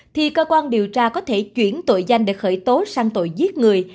thì cơ quan điều tra có thể chuyển tội danh để khởi tố sang tội giết người